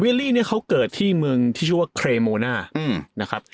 ลี่เนี่ยเขาเกิดที่เมืองที่ชื่อว่าเครโมน่านะครับ